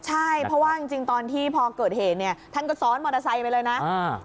ใช่เพราะว่าจริงตอนที่พอเกิดเหตุเนี่ยท่านก็ซ้อนมอเตอร์ไซค์ไปเลยนะ